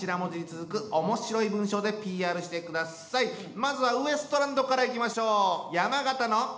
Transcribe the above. まずはウエストランドからいきましょう！